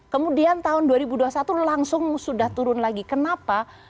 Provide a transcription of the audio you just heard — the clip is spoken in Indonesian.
kemudian tahun dua ribu dua puluh satu langsung sudah turun lagi kenapa